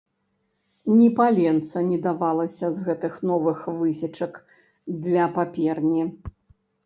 Ні паленца не давалася з гэтых новых высечак для паперні.